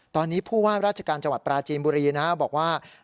ตอนนี้ผู้ว่าราชการจังหวัดปราจีนบุรีบอกว่า